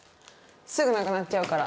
すぐなくなっちゃうから。